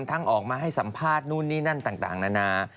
ออกมาให้สัมภาษณ์นู่นนี่นั่นต่างนานา